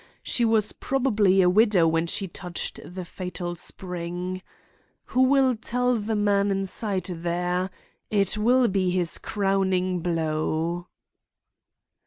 She was probably a widow when she touched the fatal spring. Who will tell the man inside there? It will be his crowning blow."